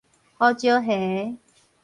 胡椒蝦